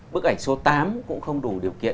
bức ảnh số tám cũng không đủ điều kiện